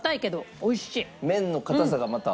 麺の硬さがまた。